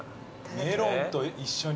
メロンと一緒に。